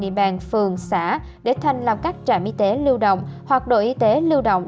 hàng phường xã để thành làm các trạm y tế lưu động hoặc độ y tế lưu động